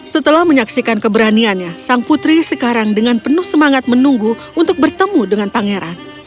setelah menyaksikan keberaniannya sang putri sekarang dengan penuh semangat menunggu untuk bertemu dengan pangeran